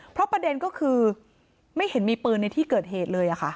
เพราะประเด็นก็คือไม่เห็นมีปืนในที่เกิดเหตุเลยค่ะ